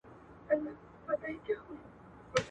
قدرت به نه وای د تُف دانیو !.